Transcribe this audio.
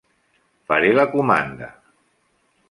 Faré la comanda.